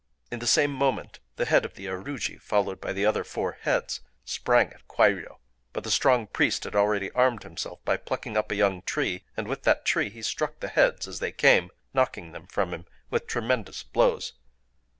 In the same moment the head of the aruji, followed by the other four heads, sprang at Kwairyō. But the strong priest had already armed himself by plucking up a young tree; and with that tree he struck the heads as they came,—knocking them from him with tremendous blows.